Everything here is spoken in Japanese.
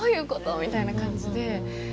みたいな感じで。